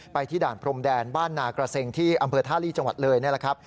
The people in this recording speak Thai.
ที่ด่านพรมแดนบ้านนากระเซ็งที่อำเภอท่าลีจังหวัดเลยนี่แหละครับ